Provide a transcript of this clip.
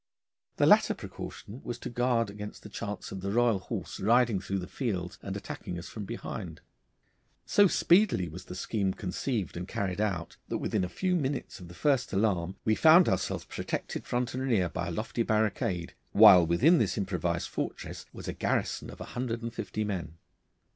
The latter precaution was to guard against the chance of the royal horse riding through the fields and attacking us from behind. So speedily was the scheme conceived and carried out, that within a very few minutes of the first alarm we found ourselves protected front and rear by a lofty barricade, while within this improvised fortress was a garrison of a hundred and fifty men.